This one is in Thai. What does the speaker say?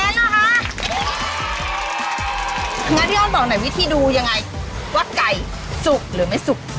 งั้นพี่อ้อนบอกหน่อยวิธีดูยังไงว่าไก่สุกหรือไม่สุก